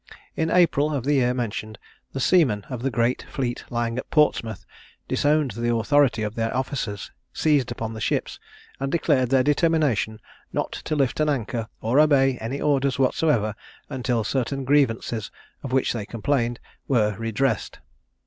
In April of the year mentioned, the seamen of the grand fleet lying at Portsmouth disowned the authority of their officers, seized upon the ships, and declared their determination not to lift an anchor, or obey any orders whatsoever, until certain grievances of which they complained were redressed.